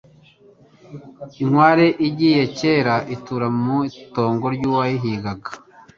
Inkware (igiye cyera) itura mu itongo ry’uwayihigaga